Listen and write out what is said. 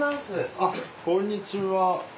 あっこんにちは。